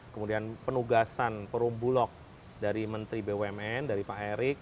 kemudian penugasan perumbulok dari menteri bumn dari pak erik